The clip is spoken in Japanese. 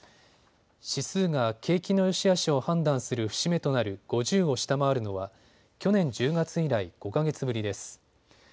指数が景気のよしあしを判断する節目となる５０を下回るのは去年１０月以来、５か月ぶりです。